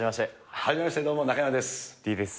はじめまして、どうも中山で李です。